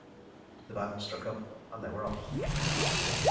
—the band struck up—and they were off.